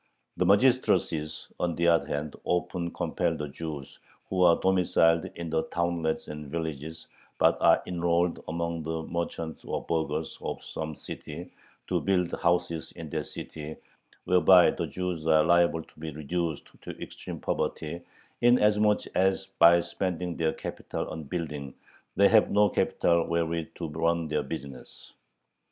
The magistracies, on the other hand, often compel the Jews who are domiciled in the townlets and villages, but are enrolled among the merchants or burghers of some city, to build houses in that city, "whereby the Jews are liable to be reduced to extreme poverty, inasmuch as by spending their capital on building they have no capital wherewith to run their business."